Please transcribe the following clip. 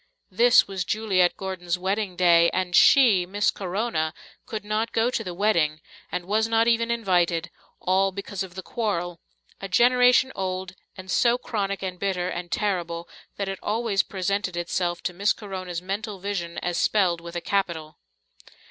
This was Juliet Gordon's wedding day, and she, Miss Corona, could not go to the wedding and was not even invited, all because of the Quarrel, a generation old, and so chronic and bitter and terrible that it always presented itself to Miss Corona's mental vision as spelled with a capital.